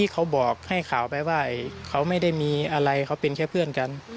เขาบอกให้ข่าวไปว่าเขาไม่ได้มีอะไรเขาเป็นแค่เพื่อนกัน